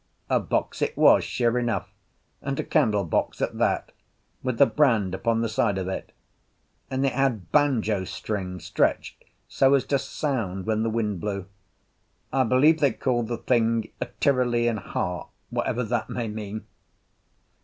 A box it was, sure enough, and a candle box at that, with the brand upon the side of it; and it had banjo strings stretched so as to sound when the wind blew. I believe they call the thing a Tyrolean harp, whatever that may mean.